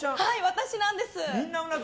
私なんです。